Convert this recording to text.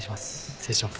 ・失礼します。